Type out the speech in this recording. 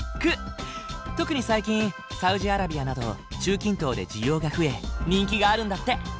特に最近サウジアラビアなど中近東で需要が増え人気があるんだって。